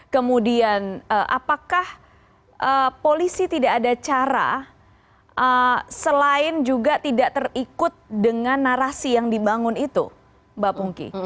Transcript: kemudian apakah polisi tidak ada cara selain juga tidak terikut dengan narasi yang dibangun itu mbak pungki